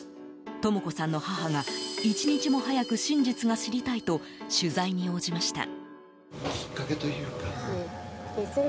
智子さんの母が１日も早く真実が知りたいと取材に応じました。